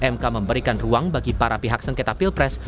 mk memberikan ruang bagi para pihak sengketa pilpres